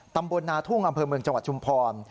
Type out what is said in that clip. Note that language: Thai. ตำบลนาทุ่งอำเภอเมืองจังหวัดชุมพร